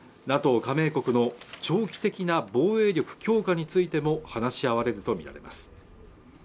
加盟国の長期的な防衛力強化についても話し合われると見られます